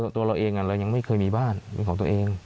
ตัวเราเองเรายังไม่เคยมีบ้านเป็นของตัวเอง